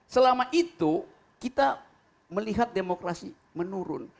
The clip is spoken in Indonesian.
selama itu kita melihat demokrasi menurun